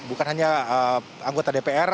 bukan hanya anggota dpr